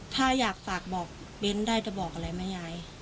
ถ้าอยากฝากบอกเบ้นได้จะบอกอะไรไหมยาย